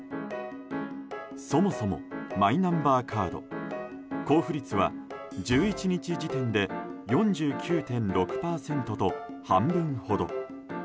そもそもマイナンバーカード交付率は１１日時点で４９．６％と半分ほど。